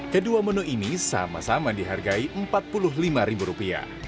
kedua menu ini sama sama dihargai rp empat puluh lima